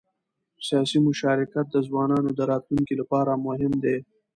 سیاسي مشارکت د ځوانانو د راتلونکي لپاره مهم دی